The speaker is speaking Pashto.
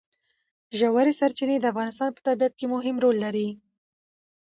ژورې سرچینې د افغانستان په طبیعت کې مهم رول لري.